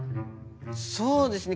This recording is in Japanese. そうですね。